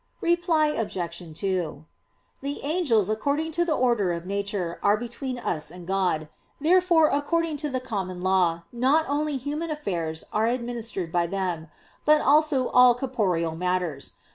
Reply Obj. 2: The angels according to the order of nature are between us and God; and therefore according to the common law not only human affairs are administered by them, but also all corporeal matters.